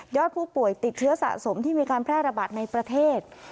ผู้ป่วยติดเชื้อสะสมที่มีการแพร่ระบาดในประเทศ